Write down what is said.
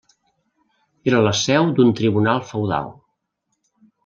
Era la seu d'un tribunal feudal.